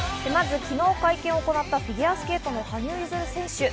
まず昨日、会見を行ったフィギュアスケート・羽生結弦選手。